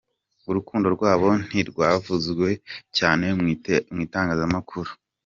Urukundo rwabo ntirwavuzwe cyane mu itangazamakuru.